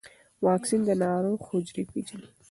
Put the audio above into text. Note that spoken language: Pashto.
واکسین د ناروغ حجرې پېژني.